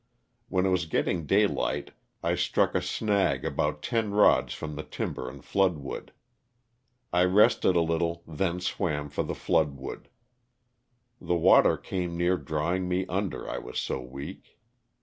When it was getting daylight I struck a snag about ten rods from the timber and flood wood. I rested a little then swam for the flood wood. The water came near drawing me under I was so weak.